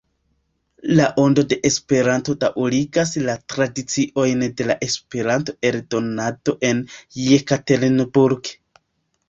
La Ondo de Esperanto daŭrigas la tradiciojn de la esperanto-eldonado en Jekaterinburg.